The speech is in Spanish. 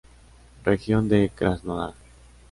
Región de Krasnodar.